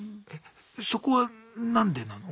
そこは何でなの？